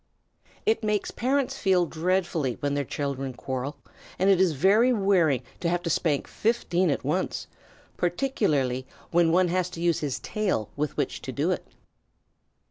It makes parents feel dreadfully when their children quarrel, and it is very wearing to have to spank fifteen at once, particularly when one has to use his tail with which to do it.